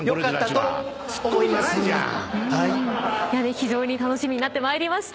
非常に楽しみになってまいりました。